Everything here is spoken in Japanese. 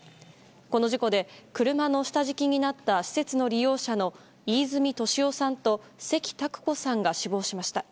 この事故で、車の下敷きになった施設の利用者の飯泉利夫さんと関拓子さんが死亡しました。